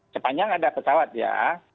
sepanjang ada pesawat ya